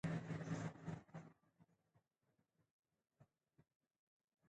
مور یې عیسویه ده او میکا هم عیسوی دی.